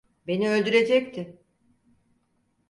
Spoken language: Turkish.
Beni öldürecekti.